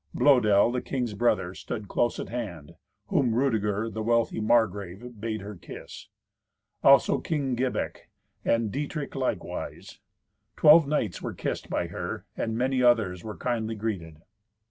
Blœdel, the king's brother, stood close at hand, whom Rudeger, the wealthy Margrave, bade her kiss; also King Gibek, and Dietrich likewise. Twelve knights were kissed by her, and many others were kindly greeted.